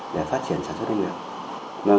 để phát triển sản xuất nông nghiệp